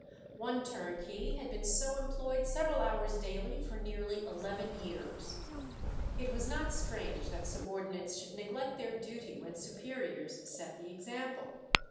One turnkey had been so employed several hours daily for nearly eleven years. It was not strange that subordinates should neglect their duty when superiors set the example.